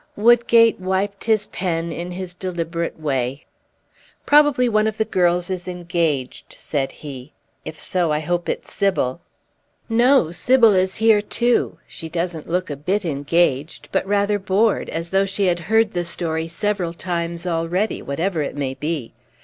Woodgate wiped his pen in his deliberate way. "Probably one of the girls is engaged," said he; "if so I hope it's Sybil." "No, Sybil is here too; she doesn't look a bit engaged, but rather bored, as though she had heard the story several times already, whatever it may be.